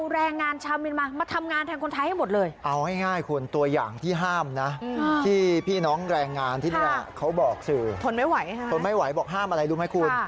แรงงานที่เขาบอกสื่อทนไม่ไหวบอกห้ามอะไรรู้ไหมคุณ